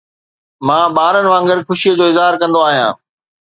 مان ٻارن وانگر خوشي جو اظهار ڪندو آهيان